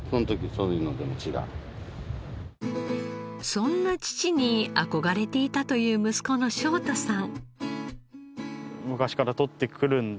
そんな父に憧れていたという息子の翔太さん。